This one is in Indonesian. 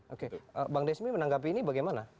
oke bang desmi menanggapi ini bagaimana